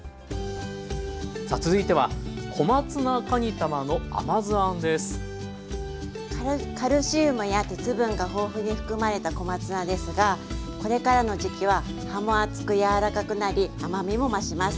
さあ続いてはカルシウムや鉄分が豊富に含まれた小松菜ですがこれからの時期は葉も厚く柔らかくなり甘みも増します。